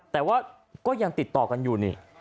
แต่ว่าก็ยังติดต่อกันอยู่นี่